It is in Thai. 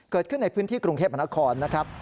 เกิดขึ้นในพื้นที่กรุงเทพมนครนะครับ